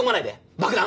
爆弾！